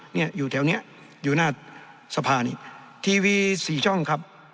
เนี่ยอยู่แถวเนี้ยอยู่หน้าสภานี้ทีวีสี่ช่องครับ